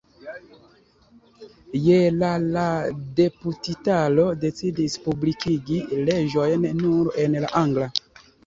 Je la la deputitaro decidis publikigi leĝojn nur en la angla.